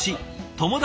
友達